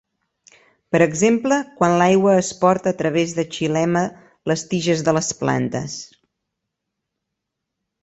Per exemple, quan l'aigua es porta a través de xilema les tiges de les plantes.